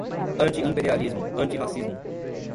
Anti-imperialismo, antirracismo